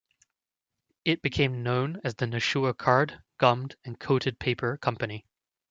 It became known as the Nashua Card, Gummed and Coated Paper Company.